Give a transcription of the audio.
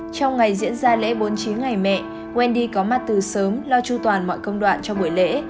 trong ngày diễn ra lễ bốn mươi chín ngày mẹ wendy có mặt từ sớm lo chu toàn mọi công đoạn cho buổi lễ